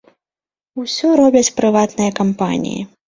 Усё робяць прыватныя кампаніі.